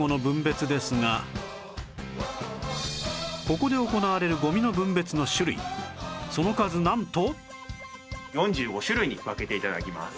ここで行われるゴミの分別の種類その数なんと